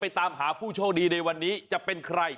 ตามหาผู้โชคดีในวันนี้จะเป็นใคร